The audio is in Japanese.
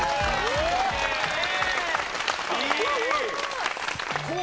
・いい！